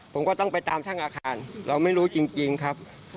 ผมก็ต้องไปตามช่างอาคารเราไม่รู้จริงครับ